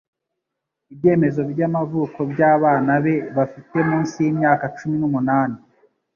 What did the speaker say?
Ibyemezo by'amavuko by'abana be bafite munsi y'imyaka cumi n'umunani